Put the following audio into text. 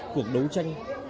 cuộc đấu tranh